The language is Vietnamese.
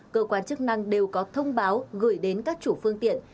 cơ quan chức năng đều có thông báo gửi đến các chủ phương tiện